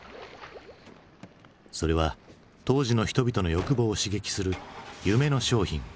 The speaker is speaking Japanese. それは当時の人々の欲望を刺激する夢の商品。